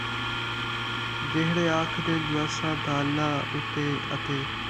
جِہڑے آکھدِن جو اَساں تاں اللہ اُتے اَتے